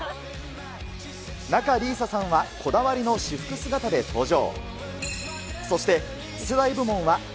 仲里依紗さんはこだわりの私服姿で登場。